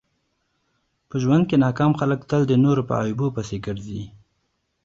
په ژوند کښي ناکام خلک تل د نور په عیبو پيسي ګرځي.